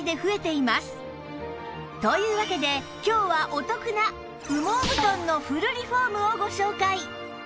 というわけで今日はお得な羽毛布団のフルリフォームをご紹介